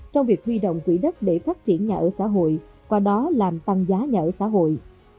trong việc huy động quỹ đất để phát triển nhà ở xã hội qua đó làm tăng giá nhà ở xã hội